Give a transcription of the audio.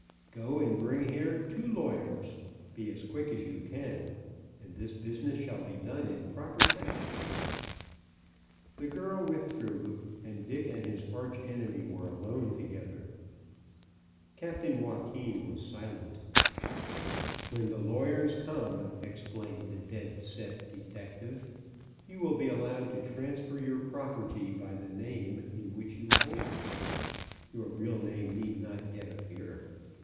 "Go and bring here two lawyers. Be as quick as you can, and this business shall be done in proper fashion." The girl withdrew, and Dick and his arch enemy were alone together. Captain Joaquin was silent. "When these lawyers come," explained the Dead Set Detective, "you will be allowed to transfer your property by the name in which you hold it. Your real name need not yet appear.